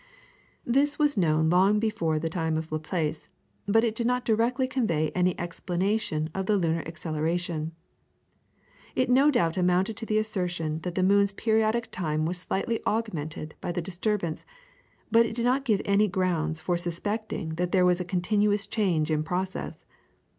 This was known long before the time of Laplace, but it did not directly convey any explanation of the lunar acceleration. It no doubt amounted to the assertion that the moon's periodic time was slightly augmented by the disturbance, but it did not give any grounds for suspecting that there was a continuous change in progress.